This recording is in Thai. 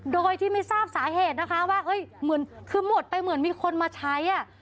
โดยที่ไม่ทราบสาเหตุนะคะว่าเฮ้ยเหมือนคือหมดไปเหมือนมีคนมาใช้อ่ะ